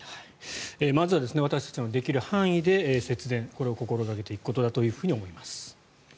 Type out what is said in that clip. まずは私たちのできる範囲で節電これを心掛けていくことだと思います。